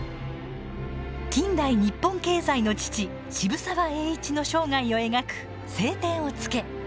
近代日本経済の父渋沢栄一の生涯を描く「青天を衝け」。